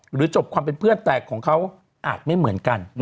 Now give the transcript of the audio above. จบความเป็นเพื่อนแต่ของเขาอาจไม่เหมือนกัน